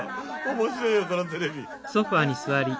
面白いよこのテレビ。